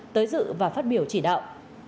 tới dự và phát biểu chỉ đạo